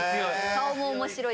顔も面白いし。